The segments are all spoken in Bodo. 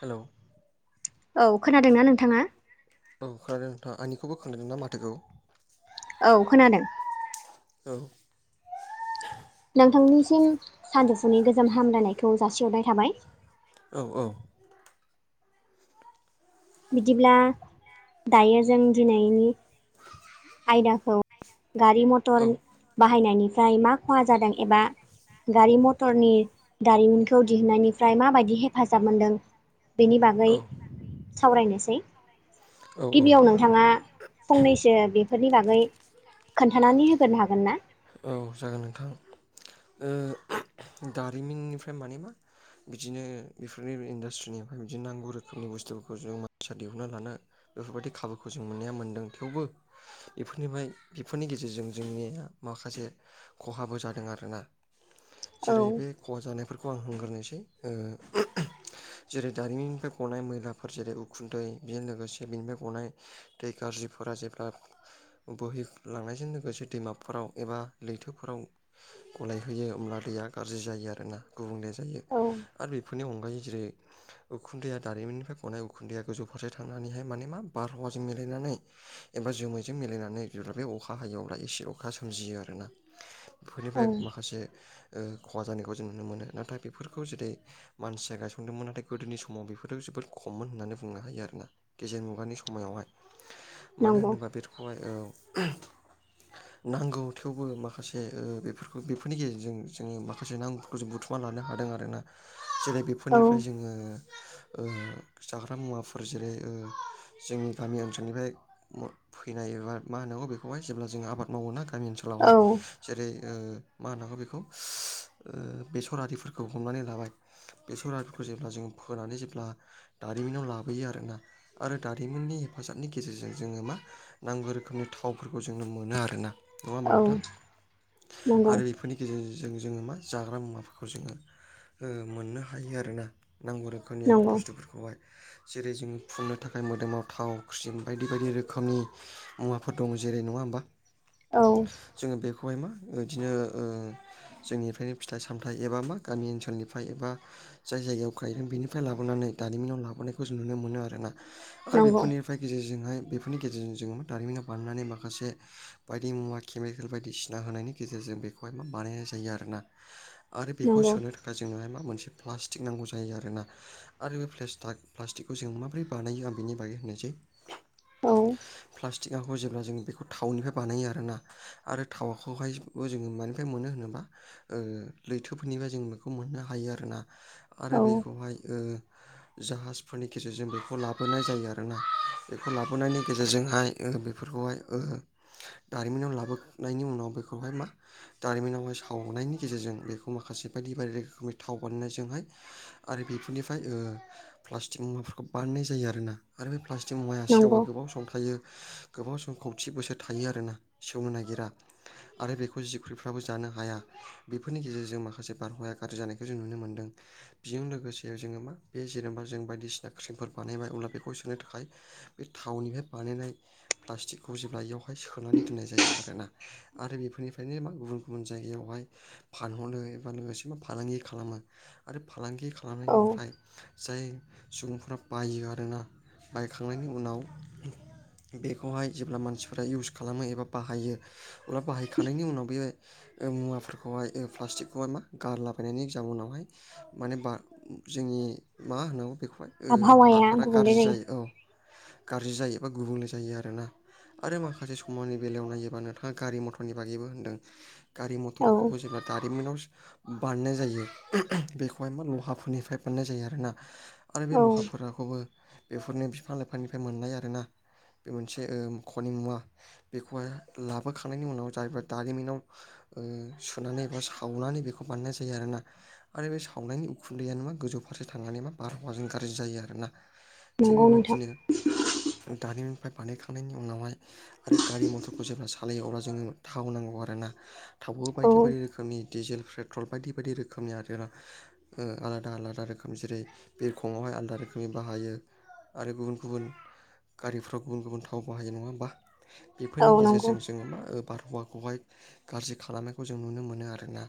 हेलौ औ खोनादोंना नोंथाङा? औ खोनादों नोंथां आंनिखौबो खोनादों ना माथोखौ। औ खोनादों। औ। नोंथांनिसिम सानजौफुनि गोजोम हामलायनायखौ जासिहरनाय थाबाय। औ-औ। बिदिब्ला दायो जों दिनैनि आयदाखौ गारि औ मटर बाहायनायनिफ्राय मा खहा जादों एबा गारि मथरनि दारिमिनखौ दिहुननायनिफ्राय माबायदि हेफाजाब मोनदों। बेनि बागै औ सावरायनोसै। औ औ गिबियाव नोंथाङा फंनैसो बेफोरनि बागै खोन्थानानै होग्रोनो हागोन ना? औ जागोन नोंथां। ओ दारिमिननिफ्राय माने मा बिदिनो बेफोरनि इन्डास्ट्रिनिफ्राय बिदिनो नांगौ रोखोमनि बुस्थुफोरखौ जों मानसिया दिहुनना लानो बेफोरबायदि खाबुखौ जों मोननाया मोनदों थेवबो इफोरनिफ्राय बेफोरनि गेजेरजों जोंनिया माखासे खहाबो जादों आरोना औ जेरै बे खहा जानायफोरखौ आं बुंग्रोनोसै ओ जेरै दारिमिननिफ्राय ग'नाय मैलाफोर जेरै उखुन्दै बेजों लोगोसे बेनिफ्राय ग'नाय दै गाज्रिफोरा जेब्ला बोहै लांनायजों लोगोसे दैमाफोराव एबा लैथोफोराव गलायहोयो होमब्ला दैया गाज्रि जायो आरोना गुबुंले जायो औ आरो बेफोरनि अनगायै जेरै उखुन्दैया दारिमिननिफ्राय ग'नाय उखुन्दैया गोजौ फारसे थांनानैहाय माने मा बारहावाजों मिलायनानै एबा जोमैजों मिलायनानै जेब्ला बे अखा हायो अब्ला एसे अखा सो जियो आरोना औ बेफोरनिफ्राय माखासे ओ खहा जानायखौ जों नुनो मोनो। नाथाय बेफोरखौ जेरै मानसिया गायसनदोंमोन नाथाय गोदोनि समाव बेफोरो जोबोद खममोन होननानै बुंनो हायो आरोना। गेजेर मुगानि समायावहाय [unintelligible] मानो होनोबा [unintelligible] औ नांगौ थेवबो माखासे ओ बेफोरखौ बेफोरनि गेजेरजों जोङो माखासे नां जों बुथुमना लानो हादों आरोना जेरै औ बेफोरनिफ्राय जोङो ओ जाग्रा मुवाफोर ओ जेरै जोंनि गामि ओनसोलनिफ्राय [unintelligible] फैनाय एबा मा होनांगौ बेखौहाय जेब्ला जों आबाद मावो ना गामि ओनसोलावहाय। औ जेरै ओ मा होनांगौ बेखौ ओ बेसर आरिफोरखौ हमनानै लाबाय बेसर आरिफोरखौ जेब्ला जों फोनानै जेब्ला दारिमिनाव लाबोयो आरोना आरो दारिमिननि हेफाजाबनि गेजेरजों जोङो मा नांगौ रोखोमनि थावफोरखौ जोंनो मोना। ना नङा होनबा औ नोंथां नंगौ आरो बेफ फोरनि गेजेरजों जों जोङो मा जाग्रा मुवाफोरखौ जोङो ओ मोननो हायो आरोना नांगौ रोखोमनि नंगौ बुस्थुफोर खौहाय जेरै जों फुननो थाखाय मोदोमाव थाव ख्रिम बायदि - बायदि रोखोमनि मुवाफोर दं जेरै नङा होमबा। औ। जोङो बेखौहाय मा ओदिनो ओ जोंनिफ्रायनो फिथाइ सामथाइ एबा मा गामि ओनसोलनिफ्राय एबा जाय जायगायाव गायगोन बेनिफ्राय लाबोनानै दारिमिनाव लाबोनायखो जों नुनो मोनो आरोना। आरो नंगौ बेफोरनिफ्राय गेजेरजोंहाय बेफोरनि गेजेरजों जों मा दारिमिनाव बानायनानै माखासे बायदि मुवा केमिकेल बायदिसिना होनायनि गेजेरजों बेखौहाय मा बानायनाय जायो आरोना। आरो बेखौ नंगौ सोनो थाखाय जोंनोहाय मा मोनसे प्लास्टिक नांगौ जायो आरो ना। आरो फ्लेसट्राक प्लास्टिकखौ जों माबोरै बानायो आं बेनि बागै होननोसै। औ फिथिखाखौ जेब्ला जों बेखौ थावनिफ्राय बानायो आरोना आरो थावाखौहायबो जोंङो मानिफ्राय मोनो होनोब्ला ओ लैथोफोरनिफ्राय जों बेखौ मोननो हायो आरोना आरो औ बेखौहाय ओ जाहाजफोरनि गेजेरजों बेखौ लाबोनाय जायो आरोना बेखौ लाबोनायनि गेजेरजोंहाय ओ बेफोरखौहाय ओ दारिमिनाव लाबोनायनि उनाव बेखौहाय मा दारिमिनावहाय सावनायनि गेजेरजों बेखौ माखासे बायदि बायदि रोखोमनि थाव बानायनायजोंहाय आरो बेफोरनिफ्राय ओ प्लास्टिक मुवाफोरखौ बानायनाय जायो आरोना आरो बे प्लास्टिक मुवाया सेवा नंगौ गोबाव संमथायो गोबाव सम खौथि बोसोर थायो आरोना सेवनो नागिरा आरो बेखौ जिख्रुफ्राबो जानो हाया बेफोरनि गेजेरजों माखासे बारहावाया गाज्रि जानायखौ जों नुनो मोनदों बेजों लोगोसे जोङो मा बे जेनेबा जों बायदिसिना क्रिमफोर बानायबाय अब्ला बेखौ सोनो थाखाय बे थावनिफ्राय बानायनाय प्लास्टिकखौ जेब्ला एयाव सोनानै दोननाय जायो आरोना आरो बेफोरनिफ्रायनो मा गुबुन गुबुन जायगायावहाय फानहरो एबा लोगोसे मा फालांगि खालामो आरो फालांगि औ खालामनायनिफ्राय जाय सुबुंफोरा बायो आरोना बायखांनायनि उनाव बेखौहाय जेब्ला मानसिफ्रा इउस खालामो एबा बाहायो अब्ला बाहायखांनायनि उनाव बे ओ मुवाफोरखौहाय ओ प्लास्टिकखौहाय मा गारलाबायनायनि जाउनावहाय माने बा जोंनि मा होनांगौ बेखौहाय ओ आबहावाया हाफोरा गुबुंले गारजि जायो औ। गारजि जायो एबा गुबुंले जायो आरोना। आरो माखासे समनि बेलायाव नायोबा नोंथांङा गारि मथरनि बागैबो होनदों गारि औ मथरखौबो जेब्ला दारिमिनाव बानायनाय जायो उमह उमह बेखौहायमा ल'हाफोरनिफ्राय बानायनाय जायो आरोना। आरो बे औ ल'हाफोराखौबो बेफोरनो फिफां लाइफांनिफ्राय मोननाय आरोना। बे मोनसे ओ खनि मुवा बेखौहाय लाबोखांनायनि उनाव जायफोर दारिमिनाव ओ सुनानै बा सावनानै बेखौ बानायनाय जायो आरोना। आरो बे सावनायनि उखुन्दैयानो मा गोजौ फारसे थांनानै मा बारहावाजों गारजि जायो आरोना। थिग नंगौ नोंथां बेबायदिनो दारिमिननिफ्राय बानायखांनायनि उनावहाय आरो गारि मथरखौ जेब्ला सालायो अब्ला जोंङो थाव नांगौ आरो ना। थावबो औ बायदि बायदि रोखोमनि डिजेल पेट्रल बायदि बायदि रोखोमनि आरोना। ओ आलादा आलादा रोखोम जेरै बिरखंआवहाय आलादा रोखोमनि बाहायो। आरो गुबुन गुबुन गारिफ्राव गुबुन गुबुन थाव बाहायो नंङा होमबा बेफोरनि औ नंगौ गेजेरजों जोंङो मा ओ बारहावाखौहाय गाज्रि खालामनायखौ जों नुनो मोनो आरो ना।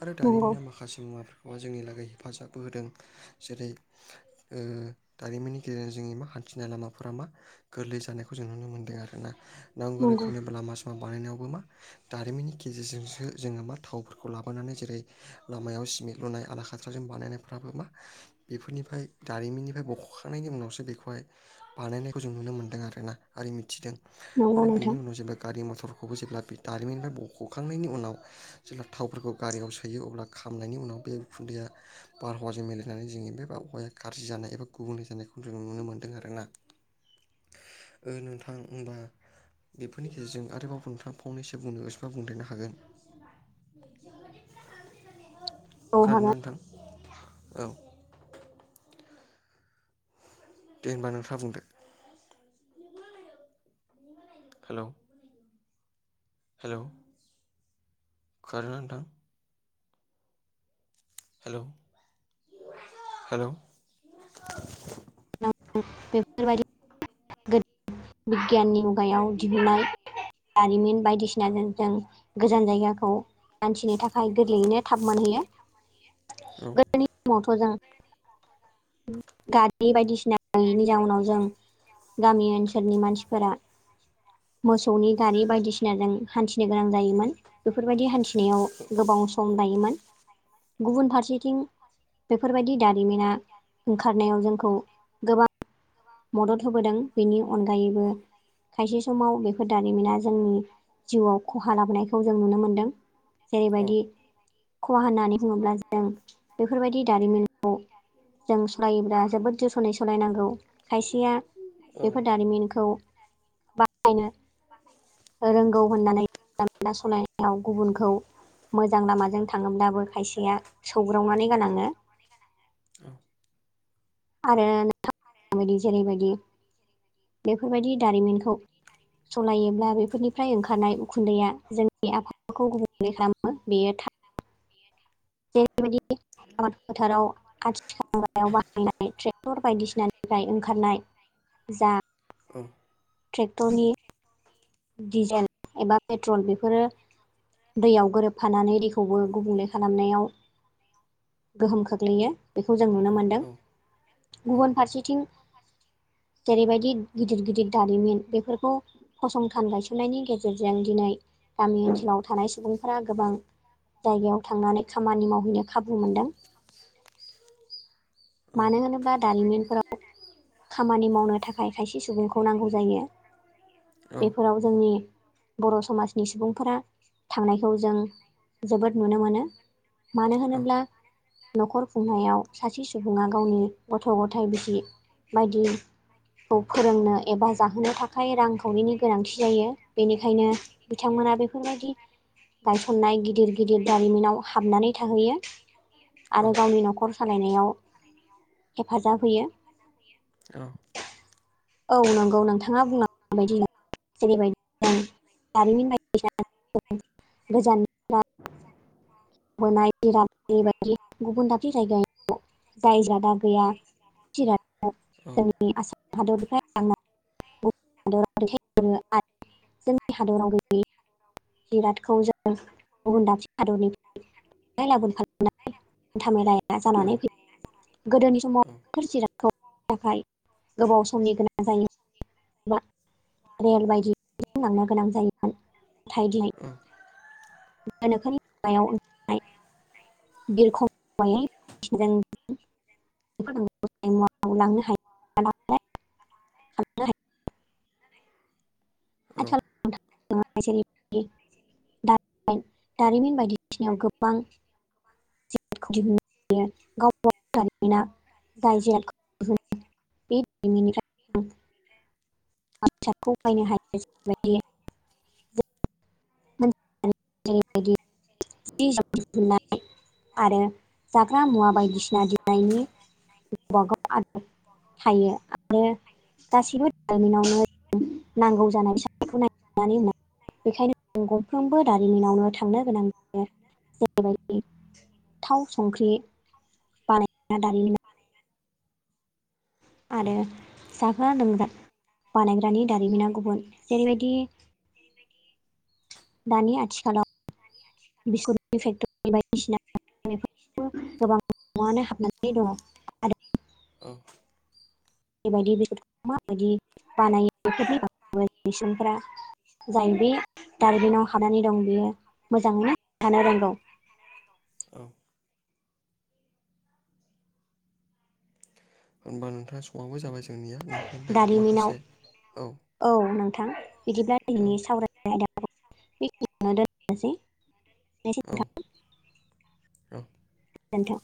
आरो नंगौ दारिमिनना माखासे मुवाफोरखौहाय जोंनि लागै हेफाजाबबो होदों जेरै ओ दारिमिननि गेजेरजों जोंनि मा हान्थिनाय लामाफोरा मा गोरलै जानाय खौ जों नुनो मोनदों आरो ना नांगौ नंगौ रोखोमनिब्ला लामा सामा बानायनायावबो मा दारिमिननि गेजेरजोंसो जोंङो मा थावफोरखौ लाबोनानै जेरै लामायाव सिमेट लुनाय आलाखाथा त्राजों बानायनायफ्राबो मा बेफोरनिफ्राय दारिमिननिफ्राय बख'खांनायनि उनावसो बेखौहाय बानायनायखौ जों नुनो मोन्दों आरोना ओरै मिथिदों नंगौ आरो बेनि नोंथां उनाव जेनेबा गारि मथरखौबो जेब्ला बि दारिमिनफ्राय बख'खांनायनि उनाव जेब्ला थावफोरखौ गारियाव सोयो अब्ला खामनायनि उनाव बे उखुन्दैया बारहावाजों मिलायनानै जोंङो बे बारहावाया गारजि जानाय एबा गुबुंले जानायखौ जों नुनो मोन्दों आरोना। ओ नोंथां होमबा बेफोरनि गेजेरजों आरोबाव नोंथांङा फंनैसो बुंनो गोसोबा बुंदेरनो हागोन। औ खोनादोंना हागोन नोंथां? औ। दे होमबा नोंथांङा बुंदो। हेलौ हेलौ खोनादों ना नोंथां? हेलौ हेलौ नोंथां। बेफोरबायदि बिगियाननि मुगायाव दिहुननाय जारिमिन बायदिसिनाजों जों गोजान जायगाखौ हान्थिनो थाखाय गोरलैयैनो थाब मोनहैयो औ गोदोनि समावथ' जों गारि बायदिसिना गैयिनि जाउनाव जों गामि ओनसोलनि मानसिफोरा मोसौनि गारि बायदिसिना बायदिसिनाजों हान्थिनो गोनां जायोमोन। बेफोरबायदि हान्थिनायाव गोबाव सम लायोमोन। गुबुन फारसेथिं बेफोरबायदि दारिमिना ओंखारनायाव जोंखौ गोबां मदद होबोदों। बेनि अनगायैबो खायसे समाव बेफोर दारिमिना जोंनि जिउआव खहा लाबोनायखौ जों नुनो मोन्दों औ जेरैबायदि खहा होननानै बुङोब्ला जों बेफोरबायदि दारिमिनखौ जों सालायोब्ला जोबोद [unintelligible] सालायनांगौ। खायसेया बेफोर दा दारिमिनखौ बाहायनो रोंगौ होननानै सलायनायाव गुबुनखौ मोजां लामाजों थाङोब्लाबो खायसेया सौग्रावनानै गालाङो। औ। आरो नोंथां [unintelligible] जेरैबायदि बेफोरबायदि दारिमिनखौ सालायोब्ला बेफोरनिफ्राय ओंखारनाय उखुन्दैया जोंनि आबहावाखौ गुबुंले खालामो बेयो थार। जेरैबायदि आबाद फोथाराव आथिखाल मुगायाव बाहायनाय ट्रेक्टर बायदिसिनानि फ्राय ओंखारनाय जा औ। ट्रेक्टरनि डिजेल एबा पेट्रल बेफोरो दैयाव गोरोबफानानै दैखौबो गुबुंले खालामनायाव गोहोम खोख्लैयो बेखौ जों नुनो मोनदों। गुबुन फारसेथिं जेरैबायदि गिदिर गिदिर दारिमिन बेफोरखौ फसंथान गायसननायनि गेजेरजों दिनै गामि ओनसोलाव थानाय सुबुंफोरा गोबां जायगायाव थांनानै खामानि मावहैनो खाबु मोनदों। मानो होनोब्ला दारिमिनफोराव खामानि मावनो थाखाय खायसे सुबुंखौ नांगौ जायो बेफोराव जोंनि बर' समाजनि सुबुंफोरा थांनायखौ जों जोबोद नुनो मोनो। मानो होनोब्ला न'खर खुंनायाव सासे सुबुङा गावनि गथ' गथाइ बिसि बायदि खौ फोरोंनो एबा जाहोनो थाखाय रांखावरिनि गोनांथि जायो बेनिखायनो बिथांमोना बेफोर बायदि गायसननाय गिदिर गिदिर दारिमिनाव हाबनानै थाहैयो। औ आरो गावनि न'खर सालायनायाव हेफाजाब होयो। औ। औ नंगौ नोंथाङा बुंलांनाय बायदिनो। जेरबायदि दारिमिन बायदिसिना गोजान बोनाय [unintelligible] बायदि गुबुन दाबसे जायगायाव जाय जादा गैया [unintelligible] जोंनि आसाम हादरनिफ्राय लां [unintelligible] जिरादखौ जों गुबुन दाबसे हादरनिफ्राय लांलाय लाबोलाय खालामनाय हान्थामेलाया जानानै फैयो। गोदोनि समाव बेफोर जिरादखौ [unintelligible] थाखाय गोबाव समनि गोनां जायोमोन। एबा रेल बायदि लांनो गोनां जायोमोन। नाथाय दिनै ओं। गोनोखोनि मुगायाव। ओंखारनाय बिरखं माने तिरों [unintelligible] आसोल [unintelligible] दारिमिन बायदि बिथिङाव गोबां जिखौ दिहुननो हायो गाव बागाव डिर्फाटमेन्ट आं जाय जेखौ [inaudible] बे बेनि राव हादसादखौ बायनो हायो जेरै बायदि [unintelligible] [unintelligible] आरो जाग्रा मुवा बायदिसिना दोननायनि गावबा गाव आदब थायो आरो गासिबो होननानै नांगौ जानाय फिसाफोरखौ नायनानै उनाव बेखायनो गंफ्रोमबो दारिमिनावनो थांनो गोनां जायो जेरैबायदि थाव संख्रि बानाया दारिमिना औ आरो जाग्रा लोंग्रा बानायग्रानि दारिमिना गुबुन जेरैबायदि जेरैबायदि दानि आथिखालाव बिस्कुटनि फेक्ट'रि बायदिसिना बे गोबां न'नो हाबनानै दङ। आरो औ बेबायदि बेफोरखौ माबायदि बानायो बेफोरनि बागै बेसनफ्रा जाय बे दार्बिनाव हानानै दं बेयो मोजाङैनो थानो रोंगौ। औ होनबा नोंथाङा समाबो जाबाय जोंनिया नोंथांनिफ्राय दारिमिनाव माखासे औ औ नोंथां बिदिब्ला दैनि सावरायनाय आयदाखौ बेखिनियावनो दोन दोनथनोसौ औ नोंथां औ गोजोनथों